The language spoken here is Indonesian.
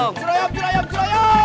cura yam cura yam cura yam